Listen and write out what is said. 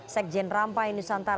sekjen rampai nusantara